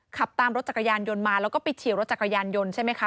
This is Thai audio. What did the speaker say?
ขับตามรถจักรยานยนต์มาแล้วก็ไปเฉียวรถจักรยานยนต์ใช่ไหมคะ